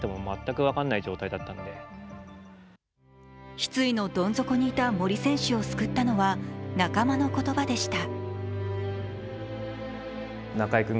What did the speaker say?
失意のどん底にいた森選手を救ったのは仲間の言葉でした。